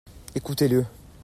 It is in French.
Écoutez-le.